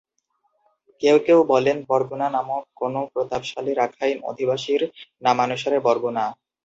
কেউ কেউ বলেন, বরগুনা নামক কোন প্রতাপশালী রাখাইন অধিবাসীর নামানুসারে বরগুনা।